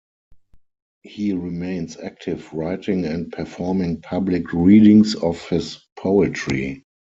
He remains active writing and performing public readings of his poetry.